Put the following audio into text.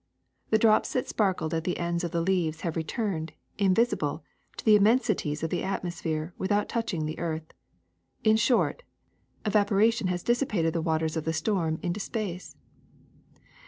The drops that sparkled at the ends of the leaves have returned, invisible, to the immensities of the atmosphere without touching the earth. In short, evaporation has dissipated the waters of the storm into space.